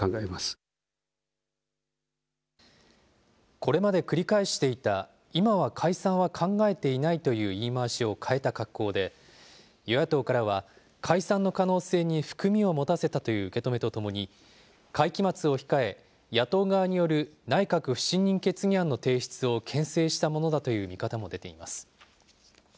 これまで繰り返していた今は解散は考えていないという言い回しを変えた格好で、与野党からは、解散の可能性に含みを持たせたという受け止めとともに、会期末を控え、野党側による内閣不信任決議案の提出をけん制したものだという見方も出ています。